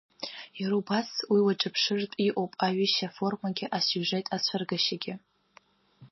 Иара убас уи уаҿыԥшыртә иҟоуп аҩышьа аформагьы, асиужет ацәыргашьагьы.